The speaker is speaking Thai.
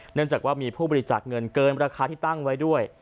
เนื่องจากว่ามีผู้บริจาคเงินเกินราคาที่ตั้งไว้ด้วย